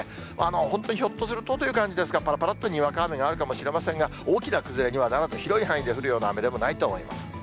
本当にひょっとするとという感じですが、ぱらぱらっとにわか雨があるかもしれませんが、大きな崩れにはならず、広い範囲で降る雨でもないと思います。